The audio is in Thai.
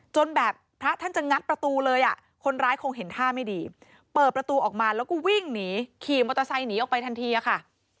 จนแบบพระท่านจะงัดประตูเลยอ่ะคนร้ายคงเห็นท่าไม่ดีเปิดประตูออกมาแล้วก็วิ่งหนีขี่มอเตอร์ไซค์หนีออกไปทันทีอะค่ะ